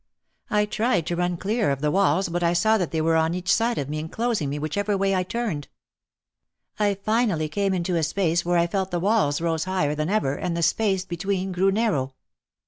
I tried to run clear of the walls but I saw that they were on each side of me enclosing me whichever way I turned. I finally came into a space where I felt the walls rose higher than ever and the space u8 OUT OF THE SHADOW between grew narrow.